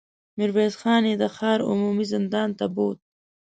ميرويس خان يې د ښار عمومي زندان ته بوت.